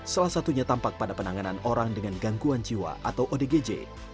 salah satunya tampak pada penanganan orang dengan gangguan jiwa atau odgj